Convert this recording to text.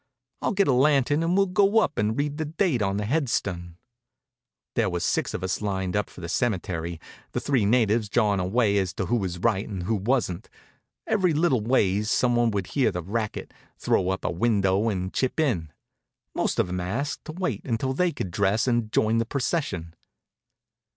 I'll get a lantern and we'll go up and read the date on the headstun." There was six of us lined up for the cemetery, the three natives jawin' away as to who was right and who wasn't. Every little ways some one would hear the racket, throw up a window, and chip in. Most of 'em asked us to wait until they could dress and join the procession.